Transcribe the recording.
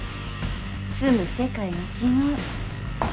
住む世界が違う。